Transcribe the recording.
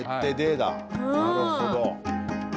なるほど。